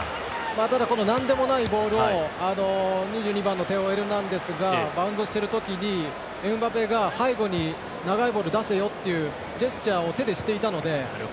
ただ、このなんでもないボールを２２番のテオ・エルナンデスがバウンドしている時にエムバペが、背後に長いボールを出せよというジェスチャーを手でしていたので。